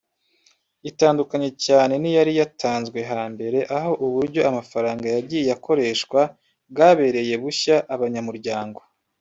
itandukanye cyane n’iyari yatanzwe hambere aho uburyo amafaranga yagiye akoreshwa bwabereye bushya abanyamuryango